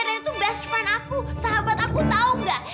rene tuh best friend aku sahabat aku tau gak